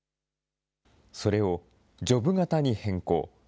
それを、ジョブ型に変更。